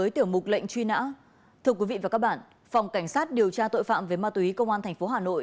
thưa quý vị và các bạn phòng cảnh sát điều tra tội phạm về ma túy công an tp hà nội